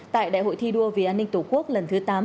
tại đại hội thi đua vì an ninh tổ quốc lần thứ tám